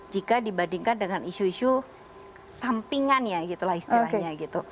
jika dibandingkan dengan isu isu sampingan ya gitu lah istilahnya gitu